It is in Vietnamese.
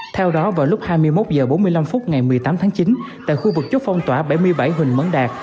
theo đó vào lúc hai mươi một h bốn mươi năm phút ngày một mươi tám tháng chín tại khu vực chốt phong tỏa bảy mươi bảy huỳnh mẫn đạt